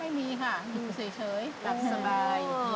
ไม่มีค่ะอยู่เฉยหลับสบาย